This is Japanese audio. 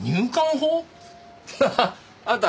ハハッあんた